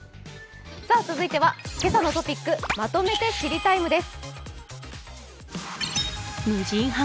続いては「けさのトピックまとめて知りＴＩＭＥ，」です。